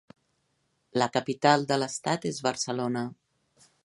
La capital de l'estat és Barcelona.